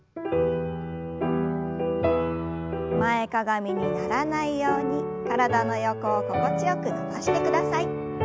前かがみにならないように体の横を心地よく伸ばしてください。